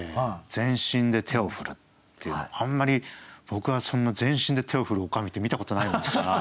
「全身で手を振る」っていうのあんまり僕はそんな「全身で手を振る女将」って見たことないもんですから。